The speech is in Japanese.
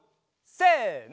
せの！